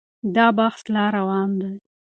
دا بحث لا روان دی.